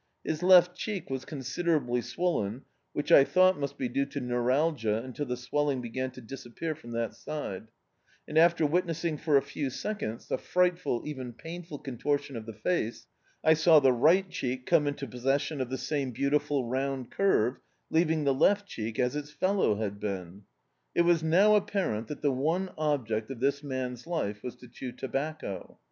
His left cheek was considerably swollen, which I thought must be due to neuralgia until the swelling began to disappear from that side; and, after witnessing for a few seconds a frightful, even pain ful contortion of the face, I saw the rig^t cheek come into possession of the same beautiful round curve, leaving the left cheek as its fellow had been. It was now apparent that the one object of this man's life was to chew tobacco.